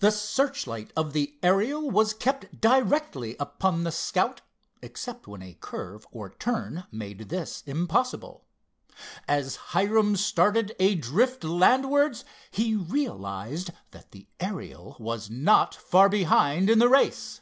The searchlight of the Ariel was kept directly upon the Scout, except when a curve, or turn, made this impossible. As Hiram started a drift landwards, he realized that the Ariel was not far behind in the race.